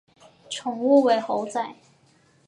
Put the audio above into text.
宠物为猴仔。